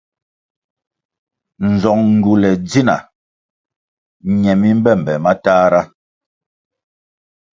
Nzong ngywule ndzina nye mi mbe mbe matahra.